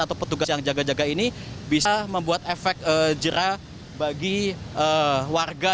atau petugas yang jaga jaga ini bisa membuat efek jerah bagi warga